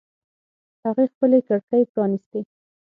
هغې خپلې کړکۍ پرانیستې